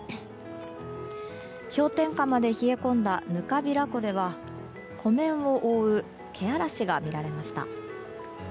氷点下まで冷え込んだ糠平湖では湖面を覆うけあらしが見られました。